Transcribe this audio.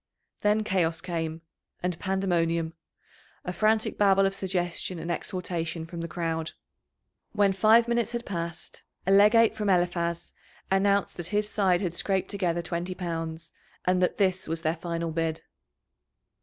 Then chaos came, and pandemonium a frantic babel of suggestion and exhortation from the crowd. When five minutes had passed, a legate from Eliphaz announced that his side had scraped together twenty pounds, and that this was their final bid.